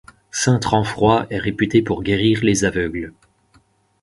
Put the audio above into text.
Sainte Renfroie est réputée pour guérir les aveugles.